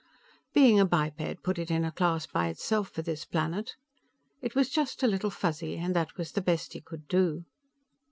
Being a biped put it in a class by itself for this planet. It was just a Little Fuzzy, and that was the best he could do.